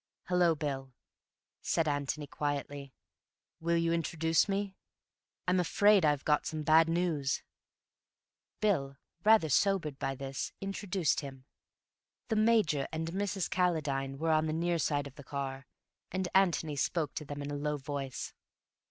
"Hallo, Bill," said Antony quietly. "Will you introduce me? I'm afraid I've got some bad news." Bill, rather sobered by this, introduced him. The Major and Mrs. Calladine were on the near side of the car, and Antony spoke to them in a low voice.